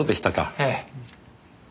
ええ。